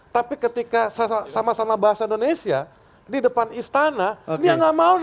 tapi ketika sama sama bahasa indonesia di depan istana dia nggak mau